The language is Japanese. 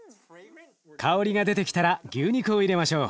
香りが出てきたら牛肉を入れましょう。